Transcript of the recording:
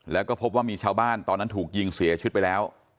แล้วก็พบว่ามีชาวบ้านตอนนั้นถูกยิงเสียชีวิตไปแล้ว